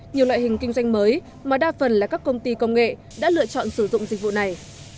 nhiều loại hình kinh doanh mới mà đa phần là các công ty công nghệ đã lựa chọn sử dụng dịch vụ này